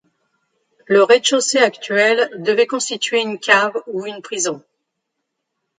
Le rez-de-chaussée actuel devait constituer une cave ou une prison.